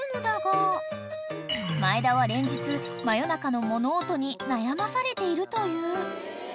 ［前田は連日真夜中の物音に悩まされているという］